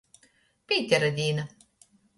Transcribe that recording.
Pītera dīna.